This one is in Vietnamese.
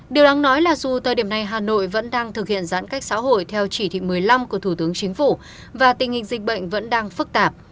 điều đáng nói là dù thời điểm này hà nội vẫn đang thực hiện giãn cách xã hội theo chỉ thị một mươi năm của thủ tướng chính phủ và tình hình dịch bệnh vẫn đang phức tạp